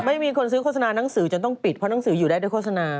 ไม่มีคนซื้อโฆษณาหนังสือจนต้องปิดเพราะหนังสืออยู่ได้ด้วยโฆษณา